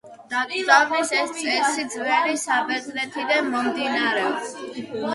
დაკრძალვის ეს წესი ძველი საბერძნეთიდან მომდინარეობს.